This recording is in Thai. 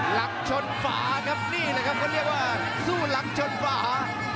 หลักชนฝาครับนี่แหละครับเขาเรียกว่าสู้หลังชนขวา